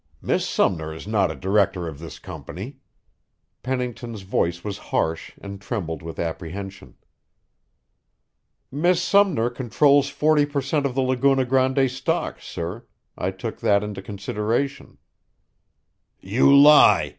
Miss Sumner is not a director of this company." Pennington's voice was harsh and trembled with apprehension. "Miss Sumner controls forty per cent. of the Laguna Grande stock, sir. I took that into consideration." "You lie!"